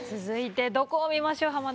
続いてどこを見ましょう？